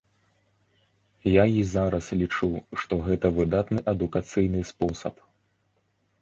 Я і зараз лічу, што гэта выдатны адукацыйны спосаб.